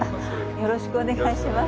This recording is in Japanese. よろしくお願いします。